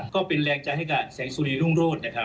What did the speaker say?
ก็เป็นแรงจัยให้กับแสงสุรีย์รุงรถ